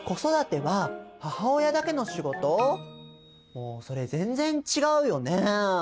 もうそれ全然違うよね。